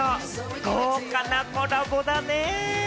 豪華なコラボだねぇ。